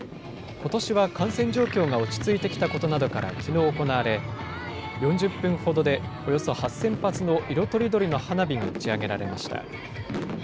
ことしは感染状況が落ち着いてきたことなどからきのう行われ、４０分ほどでおよそ８０００発の色とりどりの花火が打ち上げられました。